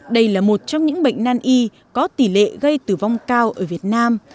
đây là một trong những bệnh nan y có tỷ lệ gây tử vong cao ở việt nam